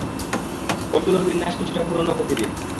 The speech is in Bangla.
কোডগুলোর বিন্যাস কিছুটা পুরনো প্রকৃতির!